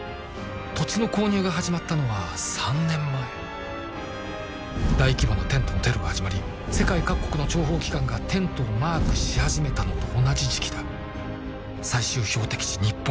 土地の購入が始まったのは３年前大規模なテントのテロが始まり世界各国の諜報機関がテントをマークし始めたのと同じ時期だ最終標的地日本